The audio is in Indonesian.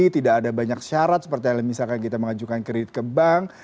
tidak ada banyak syarat seperti misalkan kita mengajukan kredit ke bank